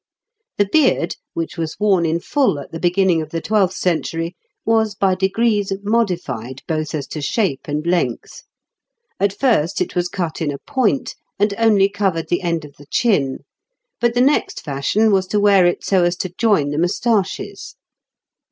The beard, which was worn in full at the beginning of the twelfth century, was by degrees modified both as to shape and length. At first it was cut in a point, and only covered the end of the chin, but the next fashion was to wear it so as to join the moustaches.